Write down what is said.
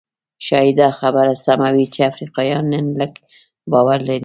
ښايي دا خبره سمه وي چې افریقایان نن لږ باور لري.